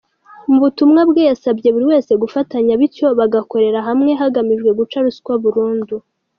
Mu butumwa bwe yasabye buri wese gufatanya bityo bagakorera hamwe hagamijwe guca ruswa burundu .